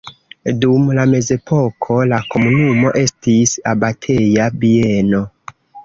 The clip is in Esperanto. Dum la mezepoko la komunumo estis abateja bieno.